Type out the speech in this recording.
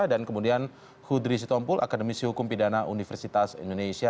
dan kemudian hudri sitompul akademisi hukum pidana universitas indonesia